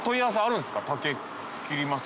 「竹切ります」